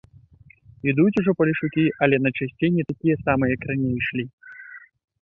Ідуць ужо палешукі, але найчасцей не такія самыя, як раней ішлі.